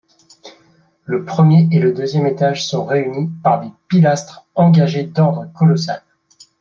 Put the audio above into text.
Le premier et le deuxième étage sont réunis par des pilastres engagés d'ordre colossal.